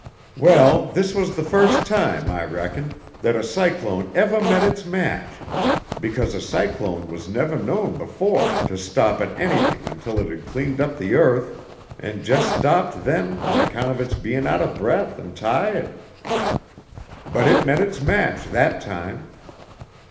"Well, this was the first time, I reckon, that a cyclone evah met its match, becawse a cyclone was nevah known befo' to stop at anything until it had cleaned up the earth and just stopped then on account of its bein' out of breath and tiahd. But it met its match that time.